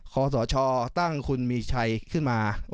ขอสชตั้งคุณมีชัยขึ้นมา